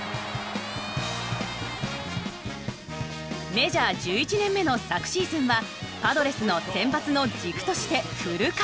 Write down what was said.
メジャー１１年目の昨シーズンはパドレスの先発の軸としてフル回転。